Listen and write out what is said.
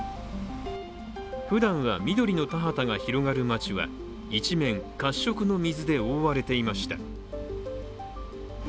ふだんは緑の田畑が広がる街は一面、褐色の水で覆われていました。